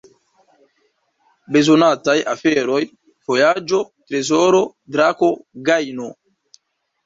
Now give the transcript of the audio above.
Bezonataj aferoj: vojaĝo, trezoro, drako, gajno.